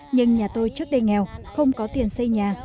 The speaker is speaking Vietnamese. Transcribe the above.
nhưng nhà tôi trước đây nghèo không có tiền xây nhà